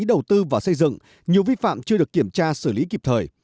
đầu tư và xây dựng nhiều vi phạm chưa được kiểm tra xử lý kịp thời